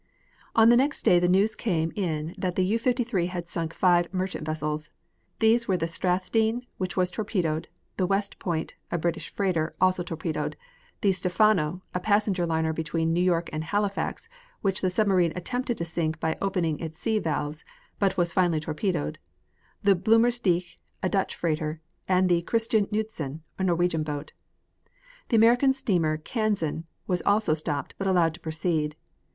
On the next day the news came in that the U 53 had sunk five merchant vessels. These were the Strathdene, which was torpedoed; the West Point, a British freighter, also torpedoed; the Stephano, a passenger liner between New York and Halifax, which the submarine attempted to sink by opening its sea valves but was finally torpedoed; the Blommersdijk, a Dutch freighter, and the Christian Knudsen, a Norwegian boat. The American steamer Kansan was also stopped, but allowed to proceed.